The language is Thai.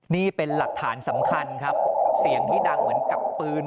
นี่เป็นหลักฐานสำคัญครับเสียงที่ดังเหมือนกับปืน